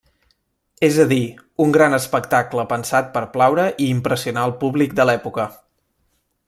És a dir, un gran espectacle pensat per plaure i impressionar el públic de l'època.